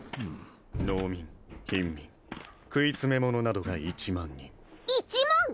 農民貧民食い詰め者などが１万人１万！？